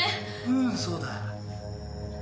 うんそうだ。